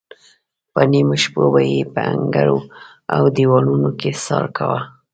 په نیمو شپو به یې په انګړ او دیوالونو کې څار کاوه.